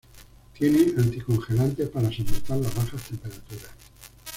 Tiene anticongelante para soportar las bajas temperaturas.